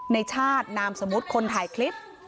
ในชาตินามสมมุติคนถ่ายคลิป